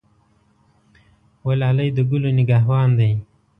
وه لالی د ګلو نګه وان دی.